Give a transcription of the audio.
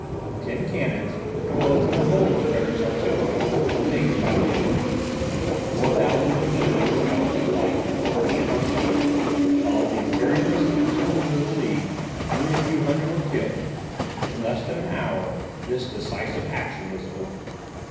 Ten cannons, composing the whole of Frederick's artillery, were taken by the enemy; four thousand Bohemians fell in the flight and on the field; while of the Imperialists and soldiers of the League only a few hundred were killed. In less than an hour this decisive action was over.